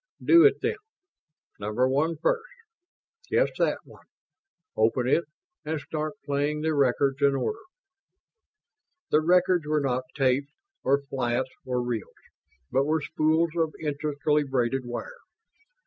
"Do it, then. Number One first ... yes, that one ... open it and start playing the records in order." The records were not tapes or flats or reels, but were spools of intricately braided wire.